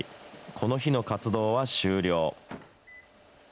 この日の活動は終了。